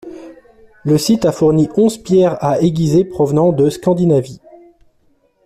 Le site a fourni onze pierres à aiguiser provenant de Scandinavie.